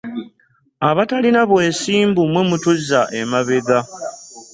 Abatalina bwesimbu mmwe mutuzza emabega.